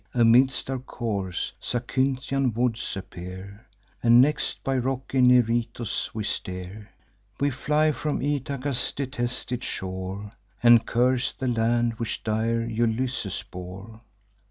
Amidst our course, Zacynthian woods appear; And next by rocky Neritos we steer: We fly from Ithaca's detested shore, And curse the land which dire Ulysses bore.